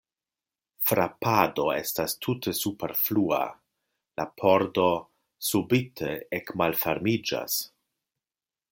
Frapado estas tute superflua, la pordo subite ekmalfermiĝas.